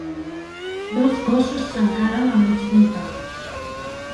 Dos gossos s'encaren al mig d'un camp